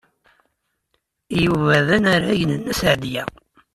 Yuba d anarag n Nna Seɛdiya.